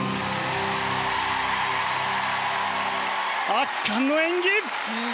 圧巻の演技！